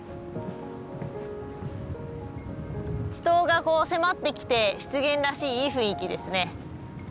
池塘が迫ってきて湿原らしいいい雰囲気ですね。